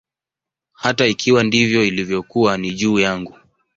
Hata ikiwa ndivyo ilivyokuwa, ni juu yangu.